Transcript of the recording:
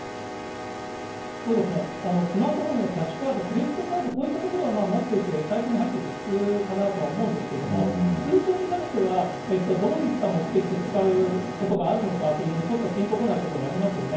そうですね、スマートフォンやキャッシュカード、クレジットカード、こういったところは持っていて、財布に入っていて普通かなと思うんですけど、通帳に関しては、どういった目的で使うことがあるのかというのが、ちょっとぴんとこないところありますよね。